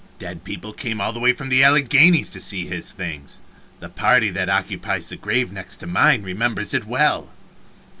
Dead people came all the way from the Alleghanies to see his things the party that occupied the grave next to mine remembers it well.